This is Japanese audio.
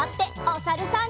おさるさん。